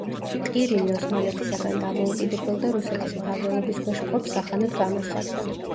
ყირიმი ოსმალეთისაგან დამოუკიდებელ და რუსეთის მფარველობის ქვეშ მყოფ სახანოდ გამოცხადდა.